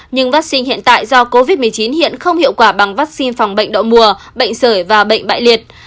nhưng vaccine hiện tại do covid một mươi chín hiện không hiệu quả bằng vaccine phòng bệnh đậu mùa bệnh sởi và bệnh bại liệt